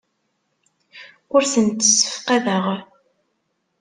Ur tent-ssefqadeɣ.